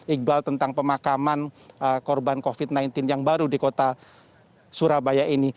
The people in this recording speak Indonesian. iqbal tentang pemakaman korban covid sembilan belas yang baru di kota surabaya ini